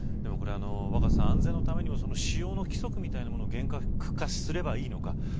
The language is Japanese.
若狭さん、安全のためにも使用の規則みたいなものを厳格化すればいいのか。